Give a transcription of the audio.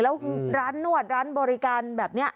แล้วร้านนวดร้านบริการแบบนี้